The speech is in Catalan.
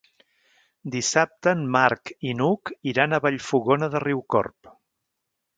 Dissabte en Marc i n'Hug iran a Vallfogona de Riucorb.